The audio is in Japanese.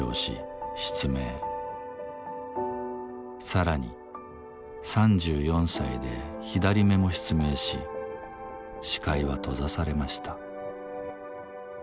さらに３４歳で左目も失明し視界は閉ざされました。